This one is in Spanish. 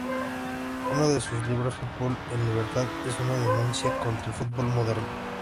Uno de sus libros, 'Fútbol en libertad', es una denuncia contra el fútbol moderno.